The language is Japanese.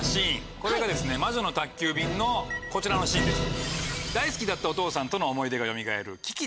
これが『魔女の宅急便』のこちらのシーンです。